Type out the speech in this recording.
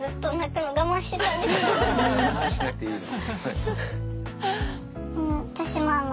我慢しなくていいの。